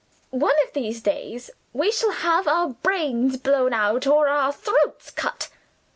One of these days we shall have our brains blown out or our throats cut.